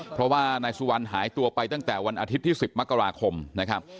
เพราะว่านายสุวรรณหายตัวไปตั้งแต่วันอาทิตย์ที่๑๐มกราคมนะครับ